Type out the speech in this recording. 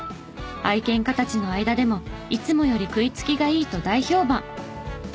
愛犬家たちの間でもいつもより食いつきがいいと大評判！